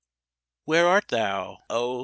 Where art thou, oh!